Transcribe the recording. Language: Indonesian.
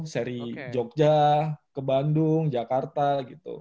seri jogja ke bandung jakarta gitu